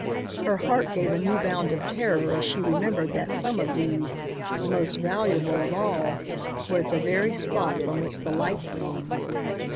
Her heart gave a new bound of terror as she remembered that some of these, the most valuable of all, were at the very spot from which the light came.